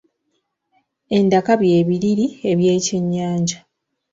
Endaka bye biriri by’ekyennyanja.